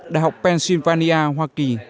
đại học pennsylvania hoa kỳ